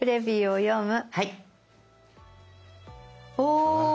お！